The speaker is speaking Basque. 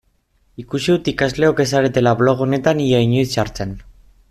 Ikusi dut ikasleok ez zaretela blog honetan ia inoiz sartzen.